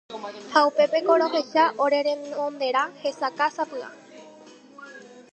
Ha upépengo rohecha ore rendonderã hesakãsapy'a.